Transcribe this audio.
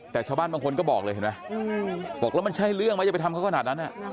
แต่ชาวบ้านบางคนก็บอกเลยเห็นไหมบอกแล้วมันใช่เรื่องไหมจะไปทำเขาขนาดนั้น